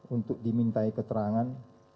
untuk diminta keterangan